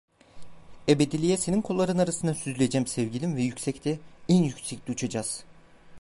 Ebediliğe senin kolların arasında süzüleceğim sevgilim ve yüksekte, en yüksekte uçacağız.